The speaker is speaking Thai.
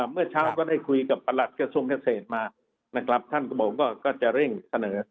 เมื่อเช้าก็ได้คุยกับประหลัดกระทรวงเกษตรมานะครับท่านก็บอกว่าก็จะเร่งเสนอ